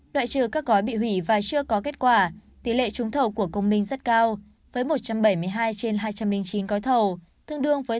đoại trừ các gói bị hủy và chưa có kết quả tỷ lệ trúng thầu của công minh rất cao với một trăm bảy mươi hai trên hai trăm linh chín gói thầu thương đương với tám mươi hai